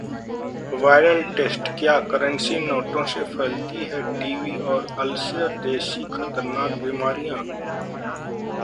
Viral Test: क्या currency नोटों से फैलती हैं टीबी और अल्सर जैसी खतरनाक बीमारियां?